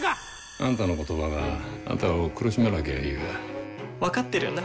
あんたの言葉があんたを苦しめなきゃいいが。分かってるんだ。